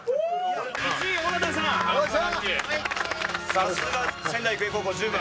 さすが仙台育英高校１０番。